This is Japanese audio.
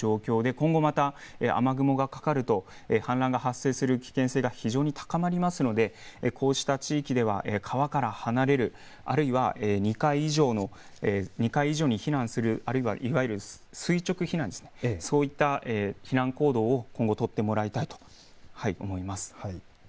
今後また雨雲がかかると氾濫が発生する危険性が非常に高まりますのでこうした地域では川から離れる、あるいは２階以上に避難するあるいは垂直避難、そういった避難行動を今後取ってほしいと思います。